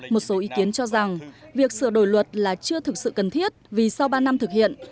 một số ý kiến cho rằng việc sửa đổi luật là chưa thực sự cần thiết vì sau ba năm thực hiện